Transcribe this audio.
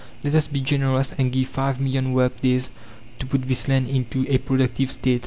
Let us be generous and give five million work days to put this land into a productive state.